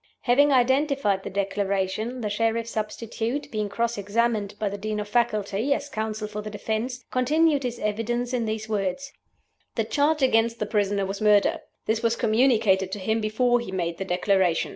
Having identified the Declaration, the Sheriff Substitute being cross examined by the Dean of Faculty (as counsel for the defense) continued his evidence in these words: "The charge against the prisoner was Murder. This was communicated to him before he made the Declaration.